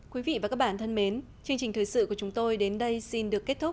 quý vị và các bạn thân mến chương trình thời sự của chúng tôi đến đây xin được kết thúc